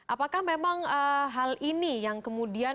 apakah memang hal ini yang kemudian